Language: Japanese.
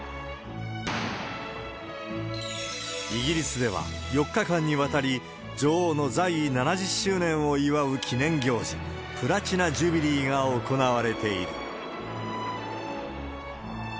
イギリスでは、４日間にわたり、女王の在位７０周年を祝う記念行事、プラチナ・ジュビリーが行われている。